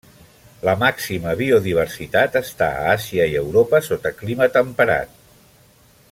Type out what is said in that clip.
La màxima biodiversitat està a Àsia i Europa sota clima temperat.